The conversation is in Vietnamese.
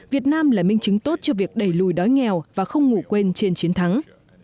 việt nam là minh chứng tốt cho việc đẩy lùi đói nghèo và không ngủ quên trên chiến thắng